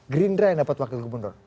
gerindra yang dapat wakil gubernur